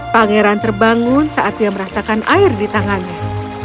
pangeran terbangun saat dia merasakan air di tangannya